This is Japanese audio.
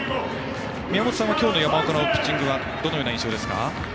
宮本さんは今日の山岡のピッチングはどのような印象ですか？